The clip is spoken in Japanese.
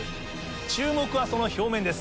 注目はその表面です